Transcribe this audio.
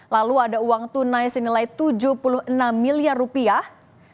lalu ada uang tunai senilai tujuh puluh enam miliar rupiah